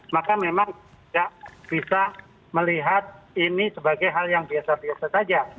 maka memang tidak bisa melihat ini sebagai hal yang biasa biasa saja